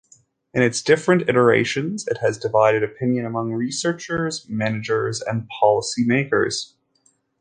In its different iterations, it has divided opinion among researchers, managers and policy makers.